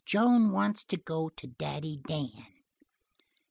"Joan wants to go to Daddy Dan."